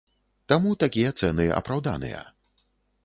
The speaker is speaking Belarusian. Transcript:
Таму такія цэны апраўданыя.